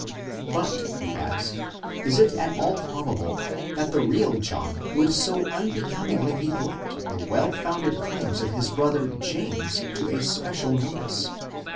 But we ask, is it at all prob able that the real John would so unbecomingly neglect the well founded claims of his brother James to a special notice?